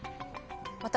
私。